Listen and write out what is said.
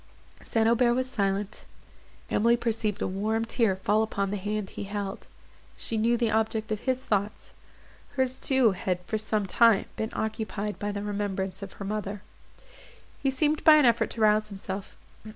St. Aubert was silent; Emily perceived a warm tear fall upon the hand he held; she knew the object of his thoughts; hers too had, for some time, been occupied by the remembrance of her mother. He seemed by an effort to rouse himself.